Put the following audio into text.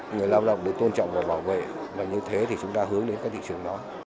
người lao động được tôn trọng và bảo vệ và như thế thì chúng ta hướng đến cái thị trường đó